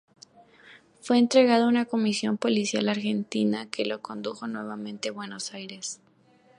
Fue entregado a una comisión policial argentina, que lo condujo nuevamente a Buenos Aires.